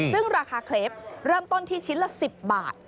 ซึ่งราคาเคล็ปเริ่มต้นที่ชิ้นละ๑๐บาท